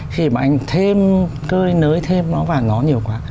khi mà anh thêm cơi nới thêm nó vào nó nhiều quá